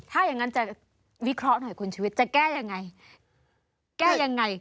ถ้าอย่างนั้นจะวิเคราะห์หน่อยคุณชีวิตจะแก้ยังไงแก้ยังไง